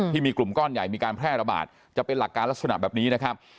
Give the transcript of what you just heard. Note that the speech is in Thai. ที่มีกลุ่มก้อนใหญ่มีการแพร่ระบาดจะเป็นหลักการลักษณะแบบนี้นะครับ